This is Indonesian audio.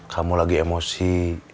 kamu lagi emosi